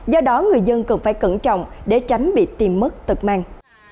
do đó người dân cần phải cẩn trọng để tránh bị tiền mất tật mang